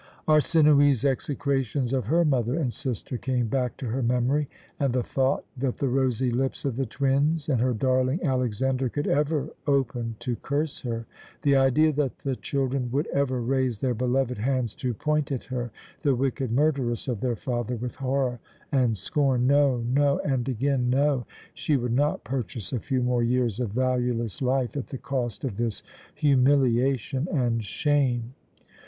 Arsinoë's execrations of her mother and sister came back to her memory, and the thought that the rosy lips of the twins and her darling Alexander could ever open to curse her, the idea that the children would ever raise their beloved hands to point at her, the wicked murderess of their father, with horror and scorn No, no, and again no! She would not purchase a few more years of valueless life at the cost of this humiliation and shame.